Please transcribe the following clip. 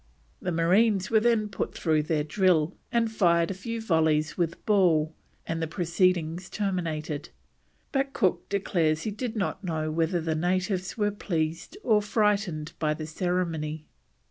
The marines were then put through their drill, and fired a few volleys with ball, and the proceedings terminated; but Cook declares he did not know whether the natives were pleased or frightened by the ceremony.